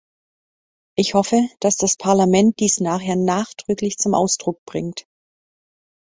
Ich hoffe, dass das Parlament dies nachher nachdrücklich zum Ausdruck bringt.